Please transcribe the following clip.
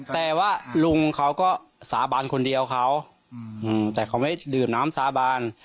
แต่ว่าลุงเขาก็สาบานคนเดียวเขาแต่เขาไม่ดื่มน้ำสาบาน